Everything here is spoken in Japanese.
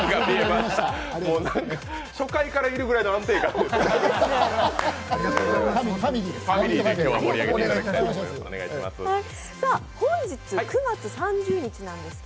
初回からいるぐらいの安定感ですよ。